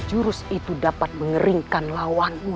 jurus itu dapat mengeringkan lawanmu